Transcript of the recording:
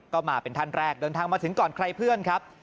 ก็มาเป็นท่านแรกเดินทางมาถึงก่อนใครเพื่อนครับ